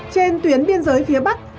trên tuyến biên giới phía bắc